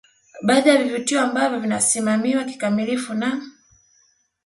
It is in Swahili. Baadhi ya vivutio ambavyo vinasimamiwa kikamilifu na